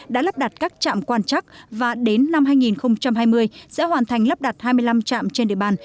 đã lắp đặt các trạm quan chắc và đến năm hai nghìn hai mươi sẽ hoàn thành lắp đặt hai mươi năm trạm trên địa bàn